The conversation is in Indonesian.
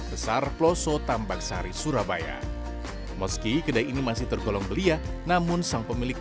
besar pelosok tambang sari surabaya meski kedai ini masih tergolong belia namun sang pemilik